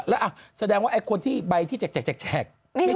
แล้วแสดงว่าคนที่ใบที่แจกไม่ถูกเลย